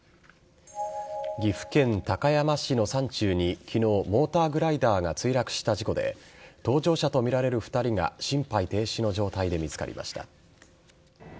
岐阜県高山市の山中に昨日、モーターグライダーが墜落した事故で搭乗者とみられる２人が心肺停止の状態で見つかりました。